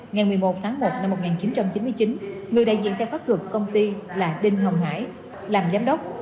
ngày một mươi một tháng một năm một nghìn chín trăm chín mươi chín người đại diện theo pháp luật công ty là đinh hồng hải làm giám đốc